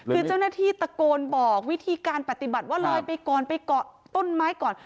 คือเจ้าหน้าที่ตะโกนบอกวิธีการปฏิบัติว่าลอยไปก่อนไปเกาะต้นไม้ก่อน